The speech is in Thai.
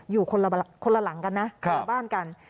อยู่คนละหลังกันนะคนละบ้านกัน